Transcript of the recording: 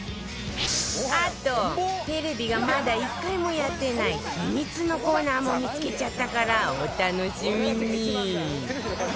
あとテレビがまだ１回もやってない秘密のコーナーも見付けちゃったからお楽しみに